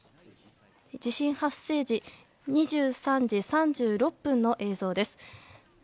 時２３時３６分の映像です。